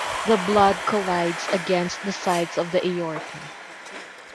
The blood collides against the sides of the aorta.